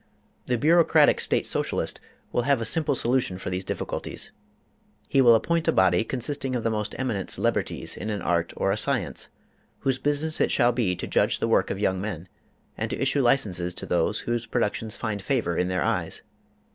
The bureaucratic State Socialist will have a simple solution for these difficulties. He will appoint a body consisting of the most eminent celebrities in an art or a science, whose business it shall be to judge the work of young men, and to issue licenses to those whose productions find favor in their eyes.